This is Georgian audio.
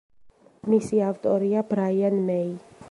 მისი ავტორია ბრაიან მეი.